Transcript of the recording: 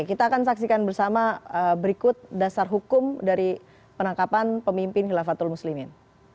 kita akan saksikan bersama berikut dasar hukum dari penangkapan pemimpin khilafatul muslimin